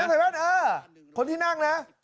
ใส่แว่นเออคนที่นั่งนะ